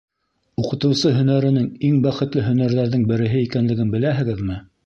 Уҡытыусы һөнәренең иң бәхетле һөнәрҙәрҙең береһе икәнлеген беләһегеҙме?